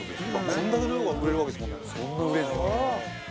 これだけの量が売れるわけですもんね。